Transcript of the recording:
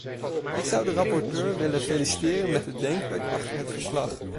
Ik zou de rapporteur willen feliciteren met het denkwerk achter het verslag.